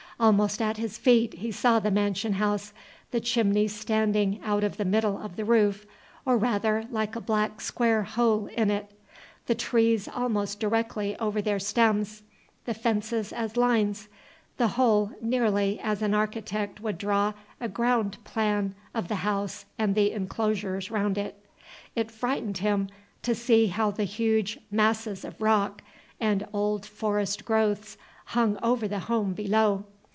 Almost at his feet he saw the mansion house, the chimney standing out of the middle of the roof, or rather, like a black square hole in it, the trees almost directly over their stems, the fences as lines, the whole nearly as an architect would draw a ground plan of the house and the inclosures round it. It frightened him to see how the huge masses of rock and old forest growths hung over the home below.